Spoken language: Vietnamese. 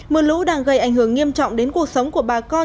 mưa lũ đang gây ảnh hưởng nghiêm trọng đến cuộc sống của bà con